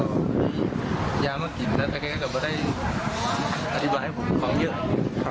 แล้วก็ยามากินแล้วเขาก็ไม่ได้อธิบายของเยอะ